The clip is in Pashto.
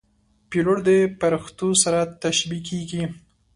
پیلوټ د پرښتو سره تشبیه کېږي.